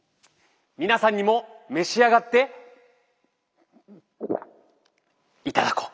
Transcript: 皆さんにも召し上がっていただこう！